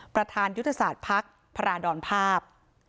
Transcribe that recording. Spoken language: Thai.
ประธานยุทธศาสตร์พรรคพระดรภาพ